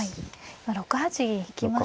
今６八銀引きましたね。